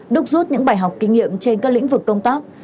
đúc rút những bài học kinh nghiệm trên các lĩnh vực công tác